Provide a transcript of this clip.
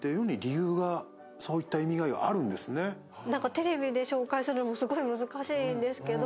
テレビで紹介するのもすごい難しいんですけど。